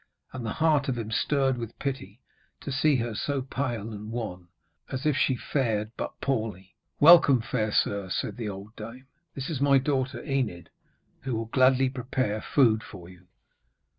And the heart of him stirred with pity to see her so pale and wan, as if she fared but poorly. 'Welcome, fair sir,' said the old dame. 'This is my daughter Enid, who will gladly prepare food for you.'